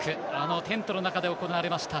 テントの中で行われました。